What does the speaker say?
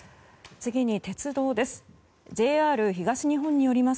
次に鉄道です。